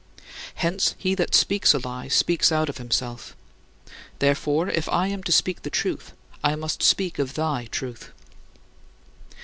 Hence, he that speaks a lie, speaks out of himself. Therefore, if I am to speak the truth, I must speak of thy truth.